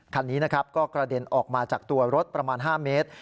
การนี้กระเด็นออกมาจากตัวรถประมาณ๕เมตร